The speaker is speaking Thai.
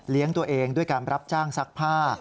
ตัวเองด้วยการรับจ้างซักผ้า